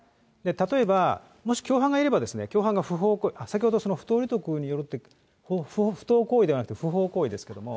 例えばもし共犯がいれば、共犯が不法行為、先ほど、不当利得によるって、不当行為ではなくて、不法行為ですけども。